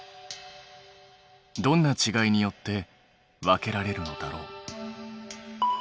どんなちがいによって分けられるのだろう？